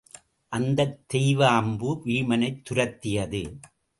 அந்தத் தெய்வ அம்பு வீமனைத் துரத்தியது.